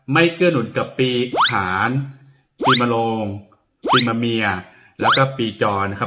เกื้อหนุนกับปีขานปีมโลงปีมะเมียแล้วก็ปีจรนะครับ